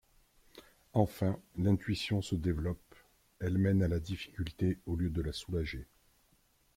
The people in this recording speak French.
Enfin, l'intuition se développe, elle mène à la difficulté au lieu de la soulager.